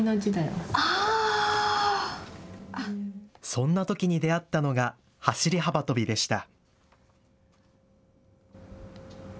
そんなときに出会ったのが走り幅跳びでした。